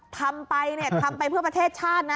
ทำไปเพื่อประเทศชาตินะ